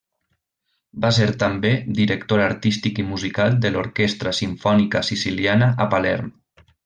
Va ser també, director artístic i musical de l'Orquestra Simfònica Siciliana a Palerm.